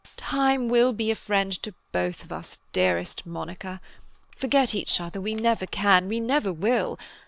"Time will be a friend to both of us, dearest Monica. Forget each other we never can, we never will.